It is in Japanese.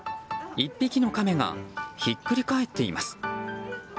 １匹のカメがひっくり返っています。